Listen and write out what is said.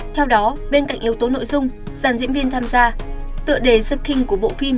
theo đó bên cạnh yếu tố nội dung giàn diễn viên tham gia tựa đề scing của bộ phim